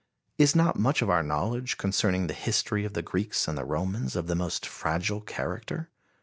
Is not much of our knowledge concerning the history of the Greeks and the Romans of the most fragile character?